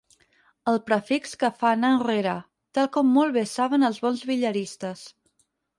El prefix que fa anar enrere, tal com molt bé saben els bons billaristes.